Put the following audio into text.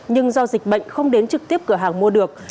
nhưng do dịch bệnh không đến trực tiếp cửa hàng mua được